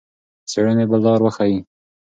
څېړنې به لار وښيي.